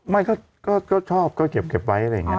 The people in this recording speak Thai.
ไม่ก็ชอบก็เก็บไว้อะไรอย่างนี้